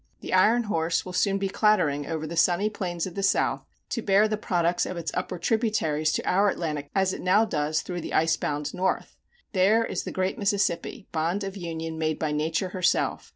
The iron horse will soon be clattering over the sunny plains of the South to bear the products of its upper tributaries to our Atlantic ports, as it now does through the ice bound North. There is the great Mississippi, bond of union made by nature herself.